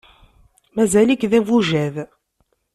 Mazal-ik d abujad.